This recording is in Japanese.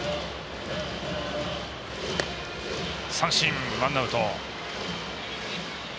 三振、ワンアウト。